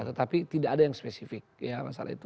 tetapi tidak ada yang spesifik ya masalah itu